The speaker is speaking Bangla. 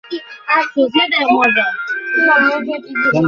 দেশের জন্য, নিজের বিশ্ববিদ্যালয়ের সুনামের জন্য একটা কিছু করেই বিদায় নিতে চাই।